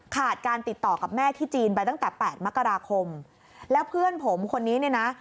การติดต่อกับแม่ที่จีนไปตั้งแต่แปดมกราคมแล้วเพื่อนผมคนนี้เนี่ยนะ